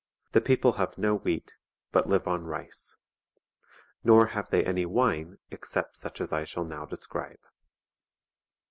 The people have no wheat, but live on rice. Nor have they any wine except such as I shall now describe.